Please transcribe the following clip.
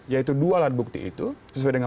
yaitu dua alat bukti itu sesuai dengan